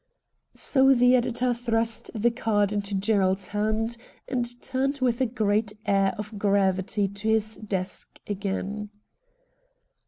So the editor thrust the card into Gerald's hand and turned with a great air of gravity to his desk again.